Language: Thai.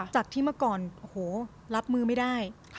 จากที่เมื่อก่อนโอ้โหรับมือไม่ได้